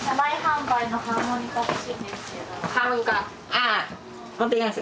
はい。